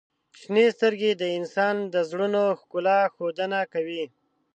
• شنې سترګې د انسان د زړونو ښکلا ښودنه کوي.